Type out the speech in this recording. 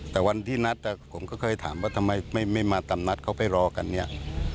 แต่วันที่นัดผมก็เคยถามว่าทำไมไม่มาตามนัดเขาไปรอกันเนี่ย